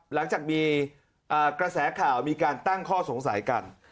หลังจากมีกระแสข่าวมีการตั้งข้อสงสัยกัน